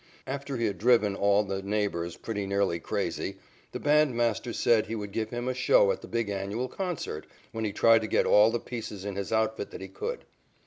After he had driven all the neighbors pretty nearly crazy, the bandmaster said he would give him a show at the big annual concert, when he tried to get all the pieces in his outfit that he could.